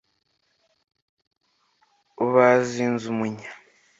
bazinze umunya